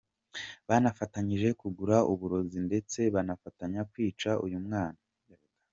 Bafatanyije kugura ubu burozi ndetse banafatanya kwica uyu mwana.